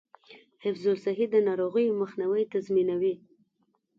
حفظ الصحه د ناروغیو مخنیوی تضمینوي.